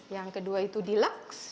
yang kedua itu deluxe